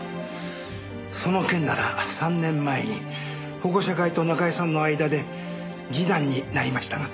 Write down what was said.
その件なら３年前に保護者会と中居さんの間で示談になりましたが。